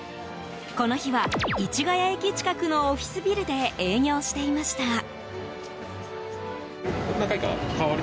この日は市ヶ谷駅近くのオフィスビルで営業していました。